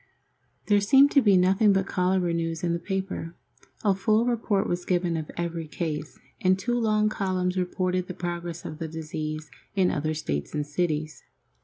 There seemed to be nothing but cholera news in the paper. A full report was given of every case, and two long columns reported the progress of the disease in other States and cities.